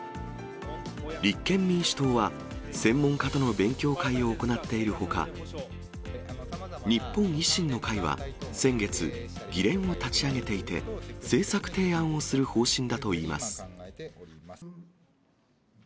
立憲民主党は、専門家との勉強会を行っているほか、日本維新の会は、先月、議連を立ち上げていて、政策提案をする方針だといいます。